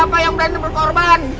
eh siapa yang berani berkorban